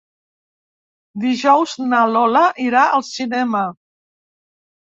Dijous na Lola irà al cinema.